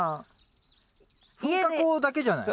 噴火口だけじゃない？